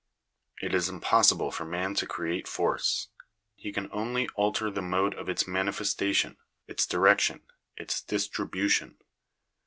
It is impossible for man to create force. He can only alter the mode of its manifestation, its direction, its distribution.